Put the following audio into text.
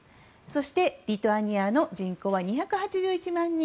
そしてリトアニアの人口は２８１万人。